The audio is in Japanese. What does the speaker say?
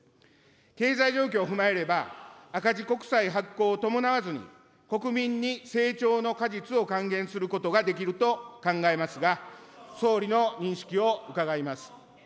経済状況を踏まえれば、赤字国債発行を伴わずに国民に成長の果実を還元することができると考えますが、総理の認識を伺います。